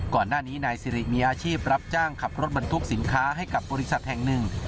ก่อนหน้านี้นายสิริมีอาชีพรับจ้างขับรถบรรทุกสินค้าให้กับบริษัทแห่งหนึ่ง